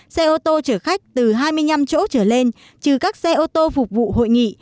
xe ô tô chở khách từ hai mươi năm chỗ trở lên trừ các xe ô tô phục vụ hội nghị